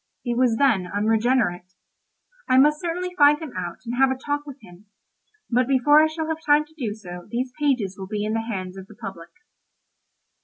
He was then unregenerate. I must certainly find him out and have a talk with him; but before I shall have time to do so these pages will be in the hands of the public.